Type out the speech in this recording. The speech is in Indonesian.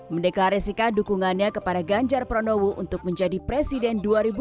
mendeklarasikan dukungannya kepada ganjar pranowo untuk menjadi presiden dua ribu dua puluh